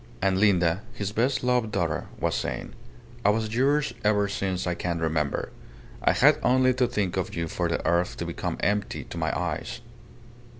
And Linda, his best loved daughter, was saying, "I was yours ever since I can remember. I had only to think of you for the earth to become empty to my eyes.